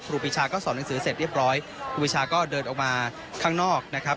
ครูปีชาก็สอนหนังสือเสร็จเรียบร้อยครูปีชาก็เดินออกมาข้างนอกนะครับ